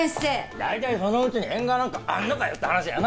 大体その家に縁側なんかあるのかよって話だよな。